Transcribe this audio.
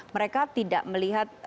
mereka tidak melihat